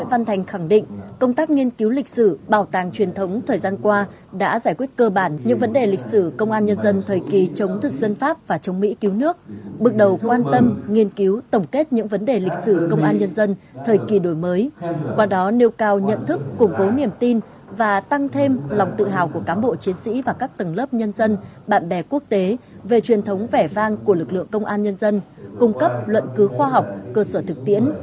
văn thành khẳng định công tác nghiên cứu lịch sử bảo tàng truyền thống thời gian qua đã giải quyết cơ bản những vấn đề lịch sử công an nhân dân thời kỳ chống thực dân pháp và chống mỹ cứu nước bước đầu quan tâm nghiên cứu tổng kết những vấn đề lịch sử công an nhân dân thời kỳ đổi mới qua đó nêu cao nhận thức củng cố niềm tin và tăng thêm lòng tự hào của cán bộ chiến sĩ và các tầng lớp nhân dân bạn bè quốc tế về truyền thống vẻ vang của lực lượng công an nhân dân cung cấp luận cứu khoa học cơ sở thực tiễ